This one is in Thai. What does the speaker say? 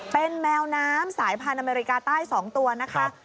เป็นแมวน้ำสายพันธุ์อเมริกาใต้๒ตัวนะคะ